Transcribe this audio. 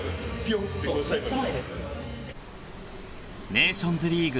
［ネーションズリーグ